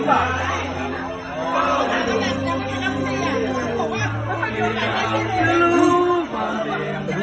มันยังคิดถึงเธอ